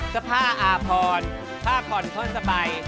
จะผ้าอาพรผ้าผ่อนโทนสบาย